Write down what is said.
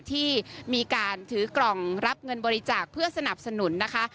ที่มีการถือกล่องรับเงินบริจาคเพื่อสนับสนุนนะคะ